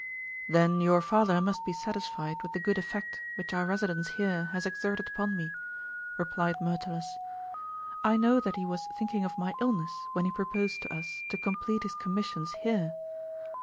"Then your father must be satisfied with the good effect which our residence here has exerted upon me," replied Myrtilus. "I know that he was thinking of my illness when he proposed to us to complete his commissions here.